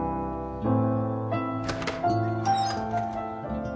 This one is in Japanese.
うん。